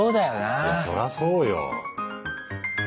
いやそらそうよ。